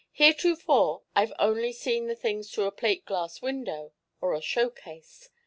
"Heretofore I've only seen the things through a plate glass window, or a show case.